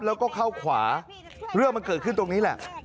แล้วก็เข้าขวาเรื่องมันเกิดขึ้นตรงนี้แหละ